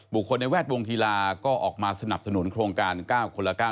คนในแวดวงกีฬาก็ออกมาสนับสนุนโครงการ๙คนละ๙